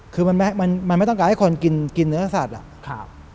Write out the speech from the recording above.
คือมันไม่ต้องการให้คนกินเนื้อสัตว์อ่ะ